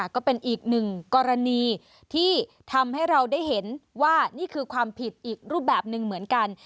ก็เป็นอีกหนึ่งกรณีที่ทำให้เราได้เห็นว่านี่คือความผิดอีกรูปแบบหนึ่งเหมือนกัน